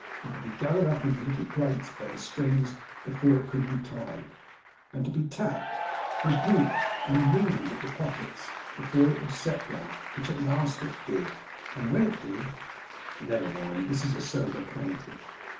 and to be gathered up into little plaits by the strings before it could be tied, and to be tapped, rebuked, and wheedled, at the pockets, before it would set right, which at last it did, and when it did but never mind; this is a sober chronicle.